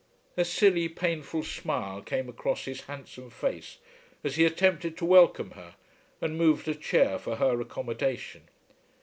A silly, painful smile came across his handsome face as he attempted to welcome her, and moved a chair for her accommodation.